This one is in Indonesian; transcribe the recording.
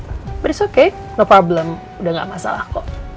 tapi it's okay no problem udah gak masalah kok